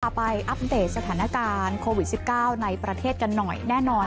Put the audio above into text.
ไปอัปเดตสถานการณ์โควิด๑๙ในประเทศกันหน่อยแน่นอน